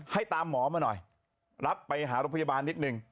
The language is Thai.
ให้ตามหมอมาหน่อยรับไปหาโรงพยาบาลนิดนึง